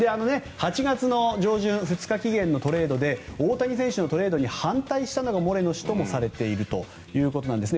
８月の上旬２日期限のトレードで大谷選手のトレードに反対したのがモレノ氏ともされているということです。